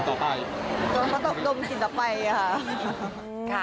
ก็ต้องดมกลิ่นต่อไปค่ะ